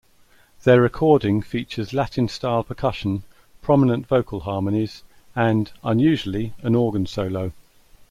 Their recording features Latin-style percussion, prominent vocal harmonies, and, unusually, an organ solo.